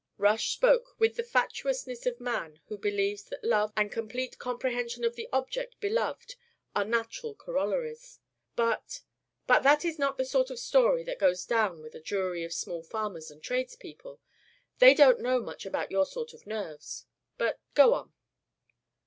Rush spoke with the fatuousness of man who believes that love and complete comprehension of the object beloved are natural corollaries. "But but that is not the sort of story that goes down with a jury of small farmers and trades people. They don't know much about your sort of nerves. But go on."